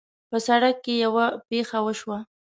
په سړک کې یوه پېښه وشوه